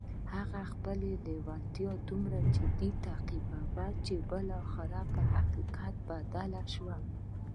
هغه خپله لېوالتیا دومره جدي تعقيب کړه چې بالاخره پر حقيقت بدله شوه.